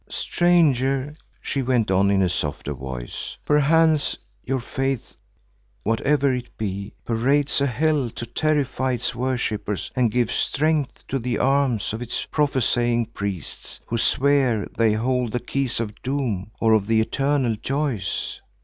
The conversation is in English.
"Stranger," she went on in a softer voice, "perchance your faith, whate'er it be, parades a hell to terrify its worshippers and give strength to the arms of its prophesying priests, who swear they hold the keys of doom or of the eternal joys.